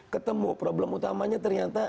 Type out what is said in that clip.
ketemu problem utamanya ternyata